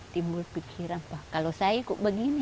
timbul pikiran wah kalau saya kok begini